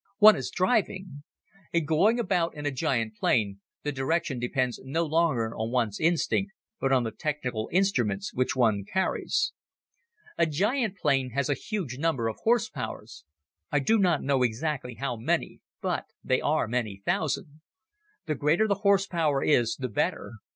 One is driving. In going about in a giant plane the direction depends no longer on one's instinct but on the technical instruments which one carries. A giant plane has a huge number of horse powers. I do not know exactly how many, but they are many thousand. The greater the horse power is, the better.